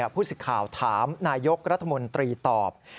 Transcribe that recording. ผู้สิทธิ์ข่าวถามนายกรัฐมนตรีตอบ